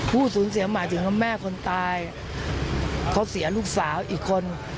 ผู้สูญเสียหมายถึงว่าแม่คนตายเขาเสียลูกสาวอีกคน